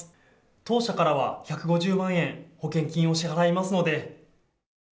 当社からは１５０万円保険金を支払いますので。